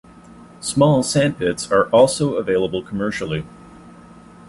Small sandpits are also available commercially.